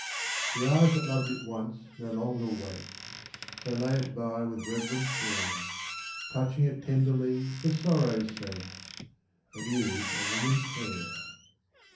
The eyes that loved it once no longer wake: So lay it by with reverent care Touching it tenderly for sorrow's sake It is a woman's hair.